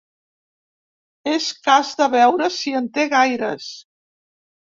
És cas de veure si en té gaires.